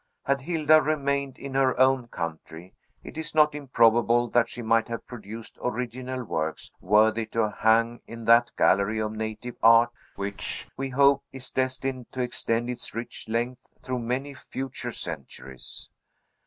Had Hilda remained in her own country, it is not improbable that she might have produced original works worthy to hang in that gallery of native art which, we hope, is destined to extend its rich length through many future centuries.